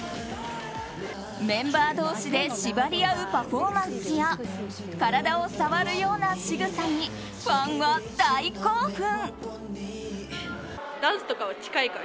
メンバー同士で縛りあうようなパフォーマンスや体を触るようなしぐさにファンは大興奮。